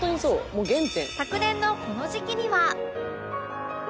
もう原点」昨年のこの時期には